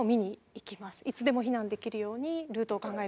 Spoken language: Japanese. いつでも避難できるようにルートを考えておく。